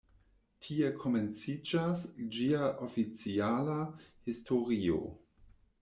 Tie komenciĝas ĝia oficiala historio.